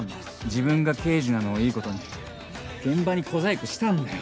自分が刑事なのをいいことに現場に小細工したんだよ！